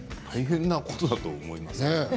大変なことだと思いますよ。